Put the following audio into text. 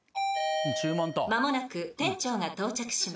間もなく店長が到着します。